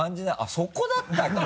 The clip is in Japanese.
そこだったっけ？